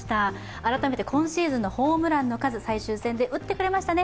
改めて今シーズンのホームランの数、最終戦で打ってくれましたね